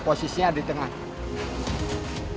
posisinya di tengah